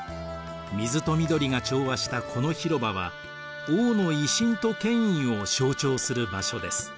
水と緑が調和したこの広場は王の威信と権威を象徴する場所です。